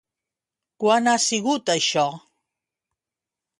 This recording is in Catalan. Quan ha sigut això?